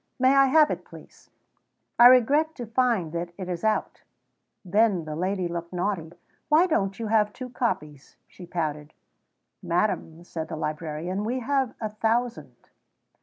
May I have it, please?" "I regret to find that it is out." Then the lady looked naughty. "Why don't you have two copies?" she pouted. "Madam," said the librarian, "we have a thousand."